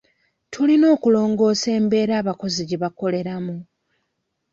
Tulina okulongoosa embeera abakozi gye bakoleramu.